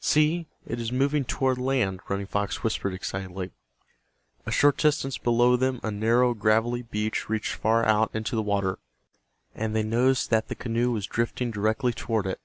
"See, it is moving toward land," Running Fox whispered, excitedly. A short distance below them a narrow gravelly beach reached far out into the water, and they noticed that the canoe was drifting directly toward it.